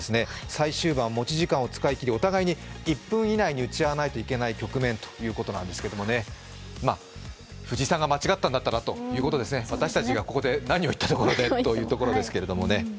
最終盤、持ち時間を使い切り、お互いに１分以内に打ち合わないといけない局面ということですが藤井さんが間違ったんだったらということですよね、私たちがここで何を言ったところでといったところですけどね。